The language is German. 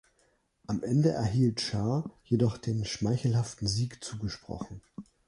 Am Ende erhielt Charr jedoch den schmeichelhaften Sieg zugesprochen.